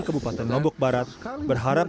kabupaten nombok barat berharap